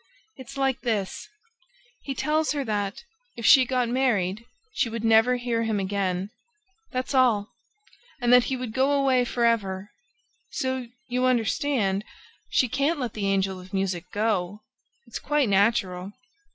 It's like this: he tells her that, if she got married, she would never hear him again. That's all! ... And that he would go away for ever! ... So, you understand, she can't let the Angel of Music go. It's quite natural."